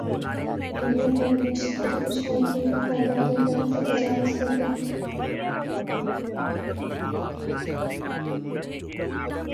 دنیا بھر میں کرکٹ شائقین کی تعداد ایک ارب سے تجاوز کر گئی